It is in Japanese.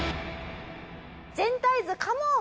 全体図カモン！